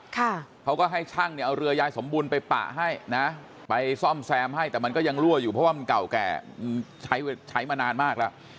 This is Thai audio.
เขาก็ให้ช่างเนี่ยเอาเรือยายสมบูรณ์ไปปะให้นะไปซ่อมแซมให้แต่มันก็ยังรั่วอยู่เพราะว่ามันเก่าแก่มันใช้ใช้มานานมากแล้ว